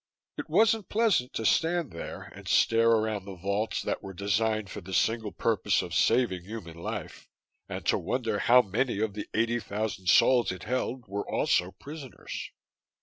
It wasn't pleasant to stand there and stare around the vaults that were designed for the single purpose of saving human life and to wonder how many of the eighty thousand souls it held were also prisoners.